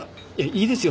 いいですよ。